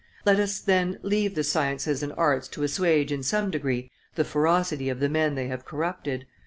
Let us, then, leave the sciences and arts to assuage, in some degree, the ferocity of the men they have corrupted.